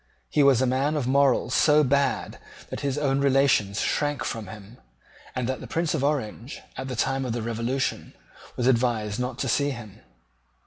He was a man of morals so bad that his own relations shrank from him, and that the Prince of Orange, at the time of the Revolution, was advised not to see him.